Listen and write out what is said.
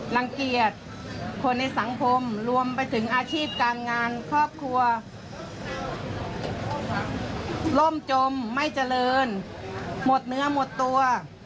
รังเกียจคนในสังคมรวมไปถึงอาชีพการงานครอบครัวร่มจมไม่เจริญหมดเนื้อหมดตัว